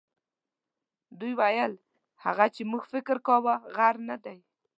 دوی ویل هغه چې موږ فکر کاوه غر نه دی.